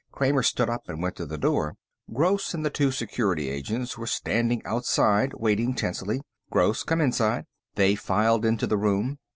Kramer stood up and went to the door. Gross and the two Security Agents were standing outside, waiting tensely. "Gross, come inside." They filed into the room.